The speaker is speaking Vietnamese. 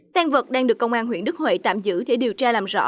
tan vật đang được công an huyện đức huệ tạm giữ để điều tra làm rõ